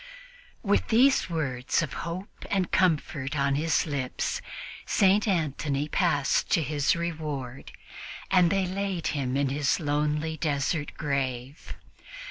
With these words of hope and comfort on his lips, St. Antony passed to his reward, and they laid him in his lonely desert grave.